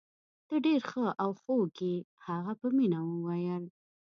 ته ډیر ښه او خوږ يې. هغه په مینه وویل.